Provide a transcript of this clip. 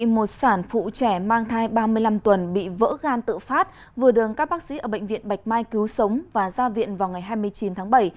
một sản phụ trẻ mang thai ba mươi năm tuần bị vỡ gan tự phát vừa đường các bác sĩ ở bệnh viện bạch mai cứu sống và ra viện vào ngày hai mươi chín tháng bảy